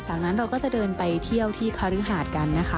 จากนั้นเราก็จะเดินไปเที่ยวที่คฤหาดกันนะคะ